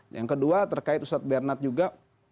yang kedua terkait ustadz bernard juga